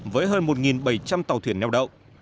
với hơn một bảy trăm linh tàu thuyền neo đậu